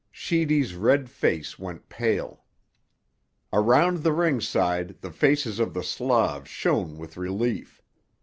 Sheedy's red face went pale. Around the ringside the faces of the Slavs shone with relief.